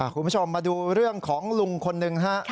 คุณผู้ชมมาดูเรื่องของลุงคนหนึ่งฮะ